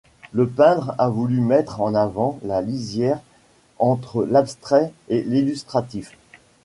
Le peindre a voulu mettre en avant la lisière entre l’abstrait et l’illustratif.